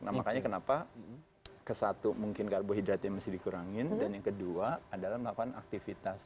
nah makanya kenapa ke satu mungkin karbohidratnya mesti dikurangin dan yang kedua adalah melakukan aktivitas